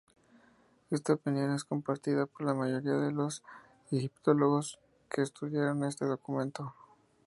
Esta opinión es compartida por la mayoría de los egiptólogos que estudiaron este documento.